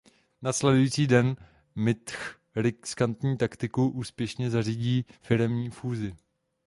Následující den Mitch riskantní taktikou úspěšně zařídí firemní fúzi.